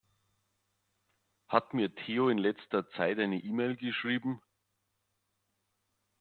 Hat mir Theo in letzter Zeit eine E-Mail geschrieben?